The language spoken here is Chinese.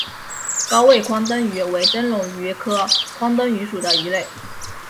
高位眶灯鱼为灯笼鱼科眶灯鱼属的鱼类。